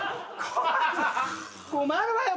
困るわよ